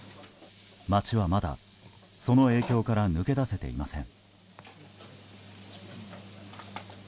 街は、まだその影響から抜け出せていません。